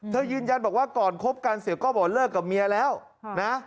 ยืนยันบอกว่าก่อนคบกันเสียโก้บอกเลิกกับเมียแล้วนะ